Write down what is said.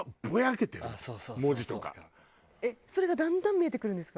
えっそれがだんだん見えてくるんですか？